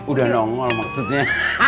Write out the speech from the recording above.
udah nongol maksudnya